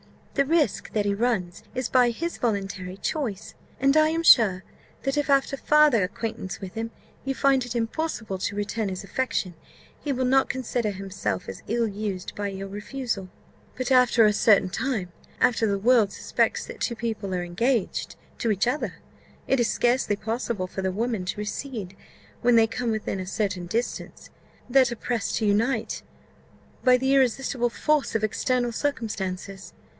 The risk that he runs is by his voluntary choice; and I am sure that if, after farther acquaintance with him, you find it impossible to return his affection, he will not consider himself as ill used by your refusal." "But after a certain time after the world suspects that two people are engaged to each other, it is scarcely possible for the woman to recede: when they come within a certain distance, they are pressed to unite, by the irresistible force of external circumstances.